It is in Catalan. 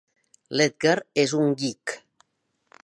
L'Edgar és un geek.